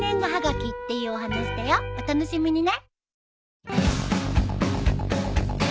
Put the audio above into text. お楽しみにね。